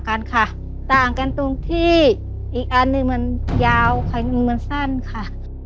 กันค่ะต่างกันตรงที่อีกอันหนึ่งมันยาวค่ะมันสั้นค่ะ